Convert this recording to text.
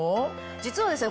実はですね